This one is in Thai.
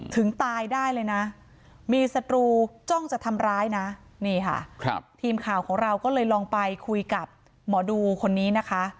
ถึงตายได้เลยนะมีศัตรูจ้องจะทำร้ายนะนี่ค่ะทีมข่าวของเราก็เลยลองไปคุยกับหมอดูคนนี้นะคะ